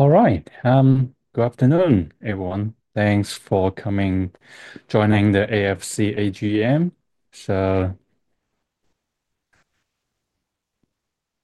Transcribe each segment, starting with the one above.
Alright, good afternoon, everyone. Thanks for coming, joining the AFC AGM.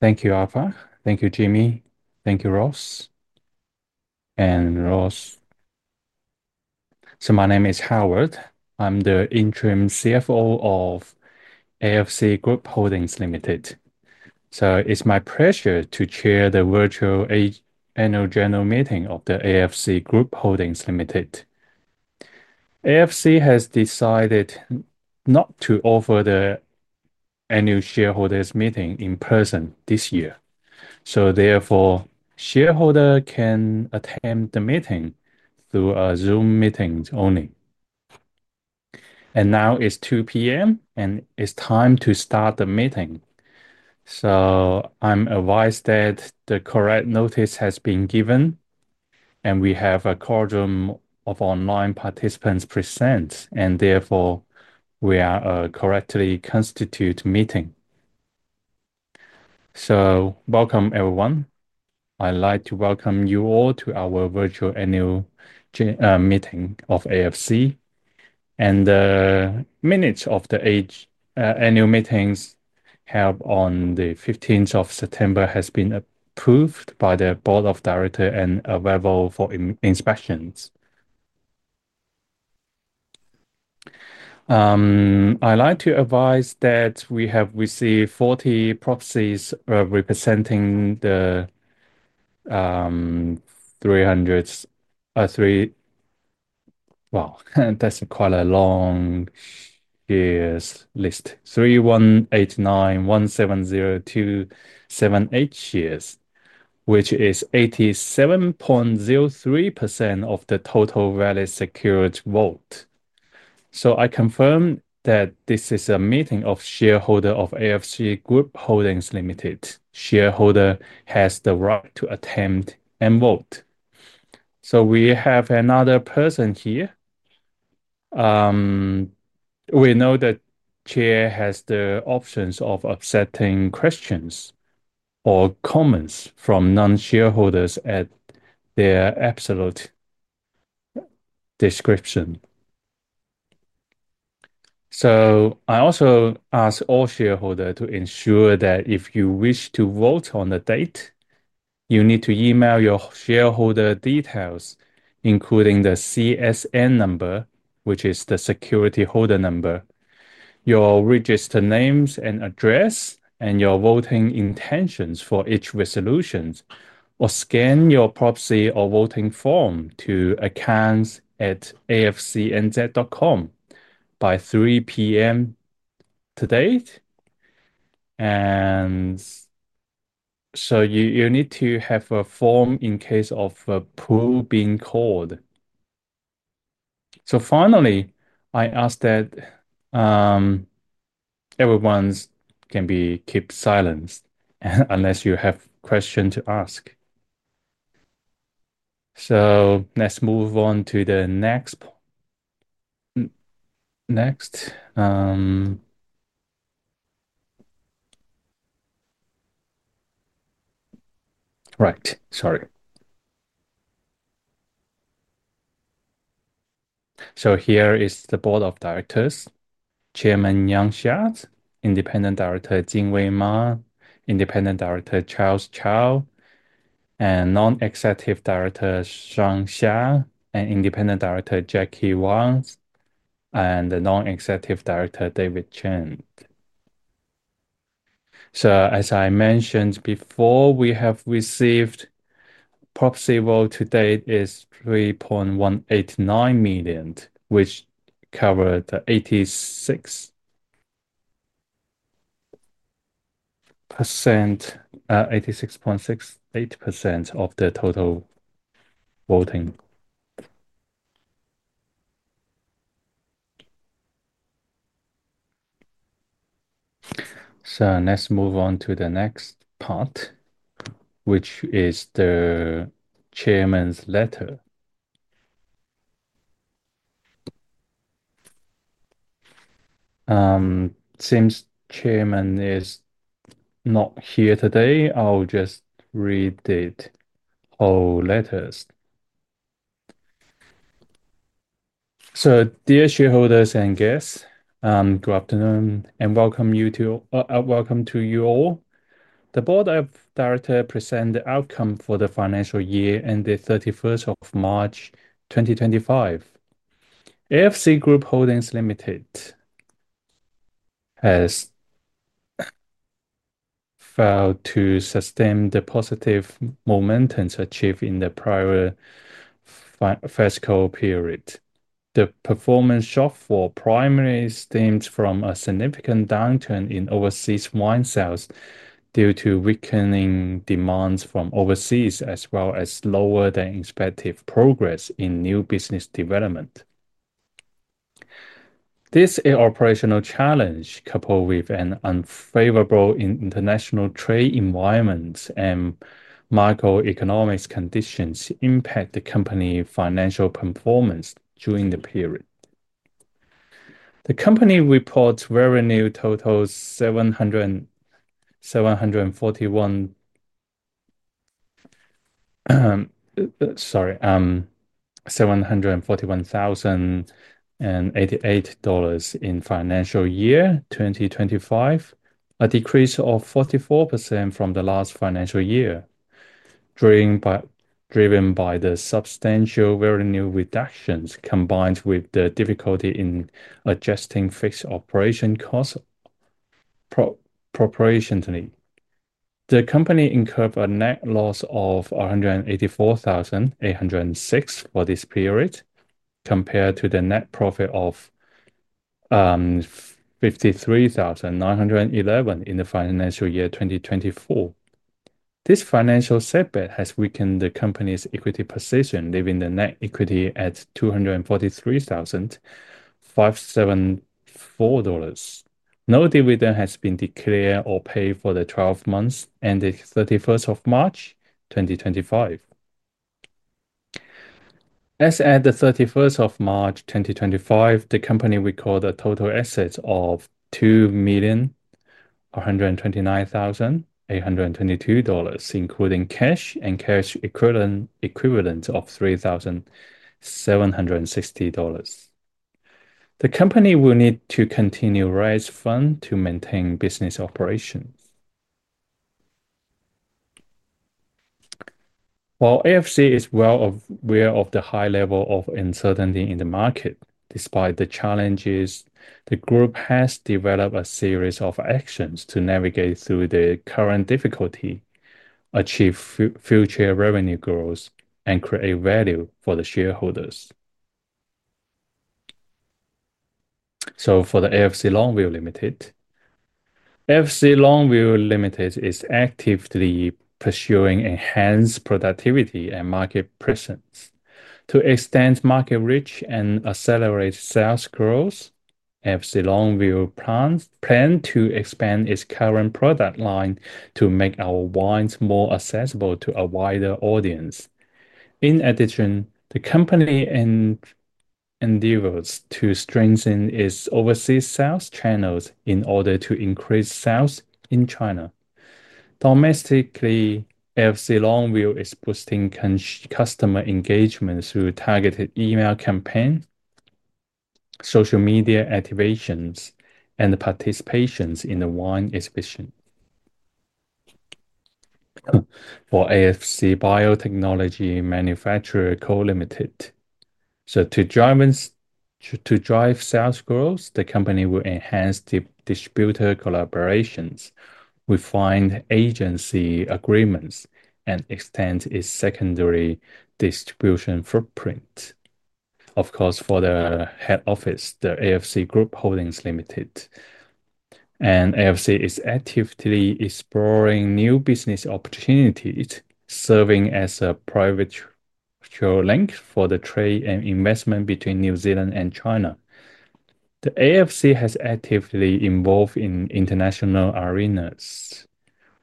Thank you, AFC. Thank you, Jimmy. Thank you, Ross. And Ross. My name is Howard. I'm the Interim CFO of AFC Group Holdings Limited. It's my pleasure to chair the Virtual Annual General Meeting of AFC Group Holdings Limited. AFC has decided not to offer the annual shareholders' meeting in person this year. Therefore, shareholders can attend the meeting through Zoom meetings only. Now it's 2:00 P.M., and it's time to start the meeting. I'm advised that the correct notice has been given, and we have a quorum of online participants present, and therefore we are a correctly constituted meeting. Welcome, everyone. I'd like to welcome you all to our Virtual Annual Meeting of AFC. The minutes of the annual meeting held on the 15th of September have been approved by the Board of Directors and are available for inspection. I'd like to advise that we have received 40 proposals representing the 3,189,170.278 shares, which is 87.03% of the total value secured vote. I confirm that this is a meeting of shareholders of AFC Group Holdings Limited. Shareholders have the right to attend and vote. We have another person here. The Chair has the option of accepting questions or comments from non-shareholders at their absolute discretion. I also ask all shareholders to ensure that if you wish to vote on the date, you need to email your shareholder details, including the CSN number, which is the security holder number, your registered names and address, and your voting intentions for each resolution, or scan your proxy or voting form to accounts@afcnz.com by 3:00 P.M. today. You need to have a form in case of a poll being called. Finally, I ask that everyone can be kept silent unless you have questions to ask. Let's move on to the next. Right, sorry. Here is the Board of Directors: Chairman Yang Xia, Independent Director Jingwei MA, Independent Director Bo Xian Charles Cao, Non-Executive Director Shuang Xia, Independent Director Jacky Wang, and Non-Executive Director David Chen. As I mentioned before, we have received proxy votes; today is 3.189 million, which covers 86.68% of the total voting. Let's move on to the next part, which is the Chairman's letter. Since Chairman is not here today, I'll just read the letters. Dear shareholders and guests, good afternoon, and welcome to you all. The Board of Directors presents the outcome for the financial year on the 31st of March 2025. AFC Group Holdings Limited has failed to sustain the positive momentum achieved in the prior fiscal period. The performance shortfall primarily stems from a significant downturn in overseas wine sales due to weakening demand from overseas, as well as slower-than-expected progress in new business development. This operational challenge, coupled with an unfavorable international trade environment and macroeconomic conditions, impacts the company's financial performance during the period. The company reports revenue totaling 741,088 dollars in the financial year 2025, a decrease of 44% from the last financial year, driven by the substantial revenue reductions combined with the difficulty in adjusting fixed operation costs proportionately. The company incurred a net loss of 184,806 for this period, compared to the net profit of 53,911 in the financial year 2024. This financial setback has weakened the company's equity position, leaving the net equity at 243,574 dollars. No dividend has been declared or paid for the 12 months on the 31st of March 2025. As of the 31st of March 2025, the company recorded a total asset of NZD 2,129,822, including cash and cash equivalents of 3,760 dollars. The company will need to continue raising funds to maintain business operations. While AFC is well aware of the high level of uncertainty in the market, despite the challenges, the group has developed a series of actions to navigate through the current difficulty, achieve future revenue growth, and create value for the shareholders. For AFC Longview Limited, AFC Longview Limited is actively pursuing enhanced productivity and market presence. To extend market reach and accelerate sales growth, AFC Longview plans to expand its current product line to make our wines more accessible to a wider audience. In addition, the company endeavors to strengthen its overseas sales channels in order to increase sales in China. Domestically, AFC Longview is boosting customer engagement through targeted email campaigns, social media activations, and participation in the wine exhibition. For AFC Biotechnology Manufacture Co Limited, to drive sales growth, the company will enhance distributor collaborations, refine agency agreements, and extend its secondary distribution footprint. Of course, for the head office, the AFC Group Holdings Limited, AFC is actively exploring new business opportunities, serving as a proxy for the trade and investment between New Zealand and China. AFC has been actively involved in international arenas.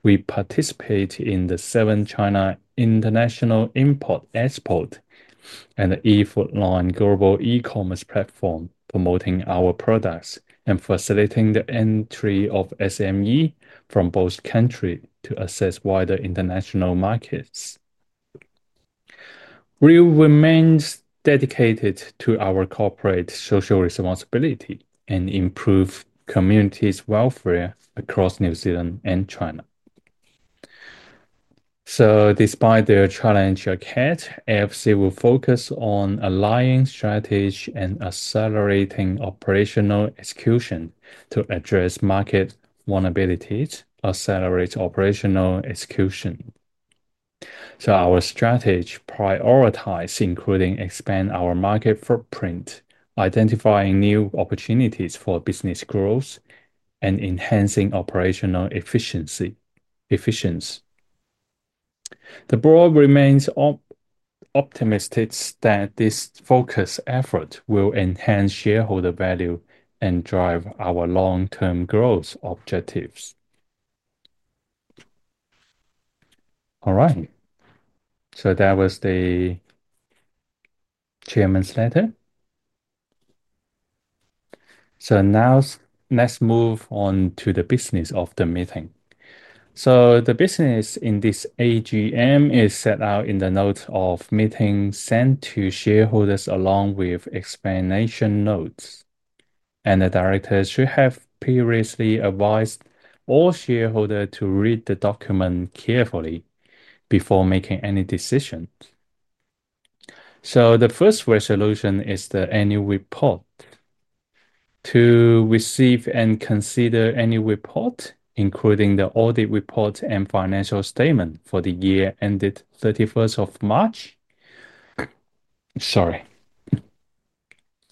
We participate in the 7th China International Import Expo and the EFOODLINE global e-commerce platform, promoting our products and facilitating the entry of SMEs from both countries to access wider international markets. We remain dedicated to our corporate social responsibility and improve communities' welfare across New Zealand and China. Despite the challenges ahead, AFC will focus on aligning strategies and accelerating operational execution to address market vulnerabilities. Accelerate operational execution. Our strategies prioritize, including expanding our market footprint, identifying new opportunities for business growth, and enhancing operational efficiency. The board remains optimistic that this focused effort will enhance shareholder value and drive our long-term growth objectives. Alright, that was the Chairman's letter. Now let's move on to the business of the meeting. The business in this AGM is set out in the notes of the meeting sent to shareholders along with explanation notes. The directors should have previously advised all shareholders to read the document carefully before making any decisions. The first resolution is the annual report. To receive and consider any report, including the audit report and financial statement for the year ended 31 March.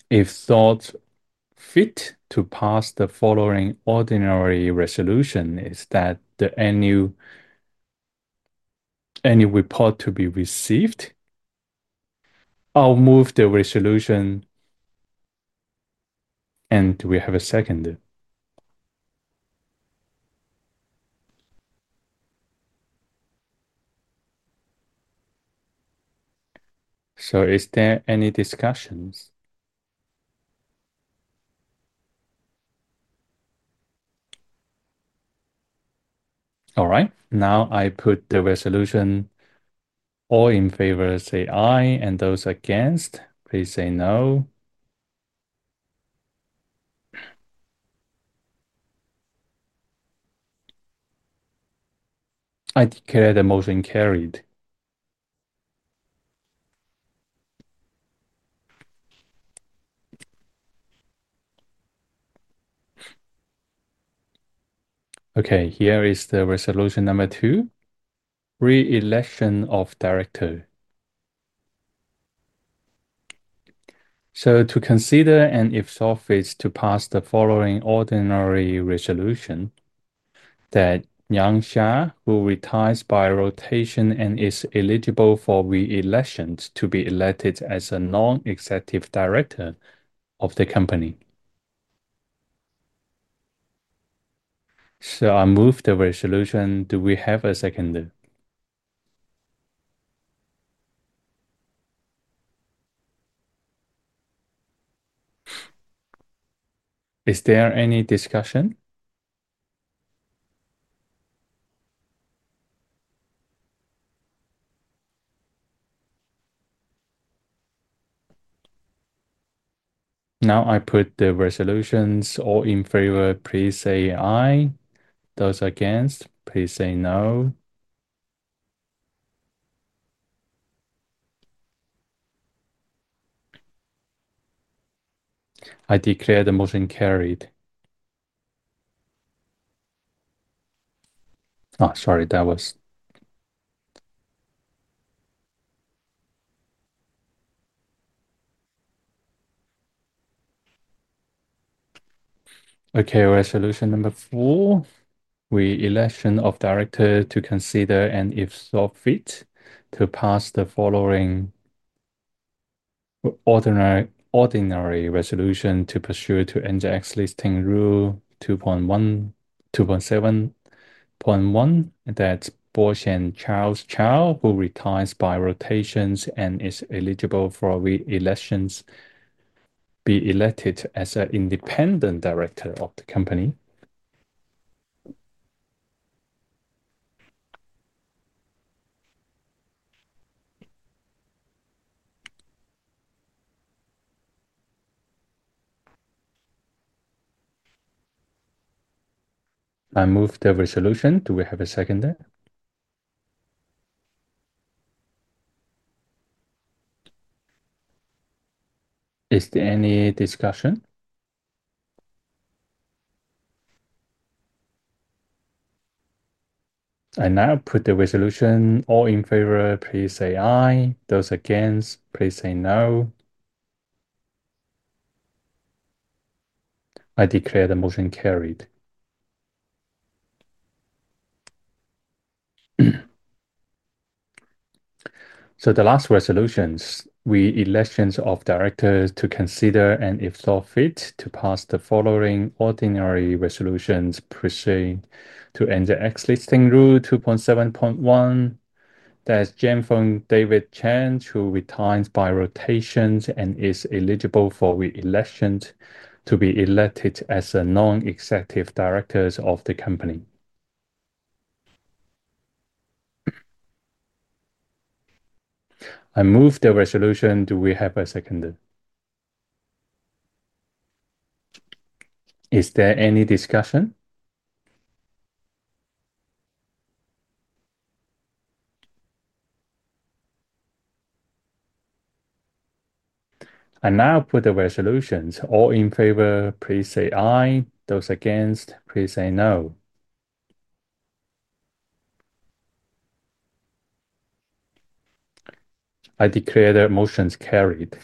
If thought fit to pass, the following ordinary resolution is that the annual report be received. I'll move the resolution, and we have a second. Is there any discussion? Alright, now I put the resolution. All in favor, say aye, and those against, please say no. I declare the motion carried. Here is the resolution number two. Re-election of director. To consider and if thought fit to pass, the following ordinary resolution is that Yang Xia will retire by rotation and is eligible for re-election to be elected as a Non-Executive Director of the company. I move the resolution. Do we have a second? Is there any discussion? Now I put the resolutions. All in favor, please say aye. Those against, please say no. I declare the motion carried. Oh, sorry, that was... Okay, resolution number four. Re-election of director to consider and if thought fit to pass the following ordinary resolution pursuant to NZX listing rule 2.7.1 that Bo Xian Charles Cao, who retires by rotation and is eligible for re-election, be elected as an Independent Director of the company. I move the resolution. Do we have a second? Is there any discussion? I now put the resolution. All in favor, please say aye. Those against, please say no. I declare the motion carried. The last resolutions: re-election of directors to consider and if thought fit to pass the following ordinary resolution pursuant to NZX listing rule 2.7.1 that Jianfeng David Chen, who retires by rotation and is eligible for re-election, be elected as a Non-Executive Director of the company. I move the resolution. Do we have a second? Is there any discussion? I now put the resolutions. All in favor, please say aye. Those against, please say no. I declare the motion carried.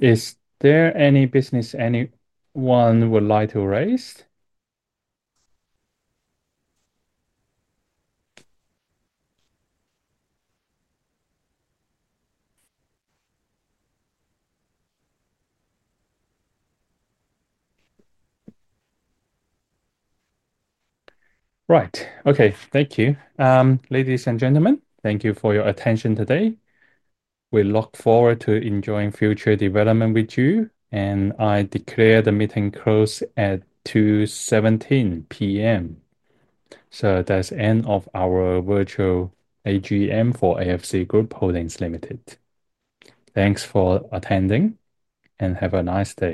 Is there any business anyone would like to raise? Thank you. Ladies and gentlemen, thank you for your attention today. We look forward to enjoying future development with you, and I declare the meeting closed at 2:17 P.M. That's the end of our virtual AGM for AFC Group Holdings Limited. Thanks for attending, and have a nice day.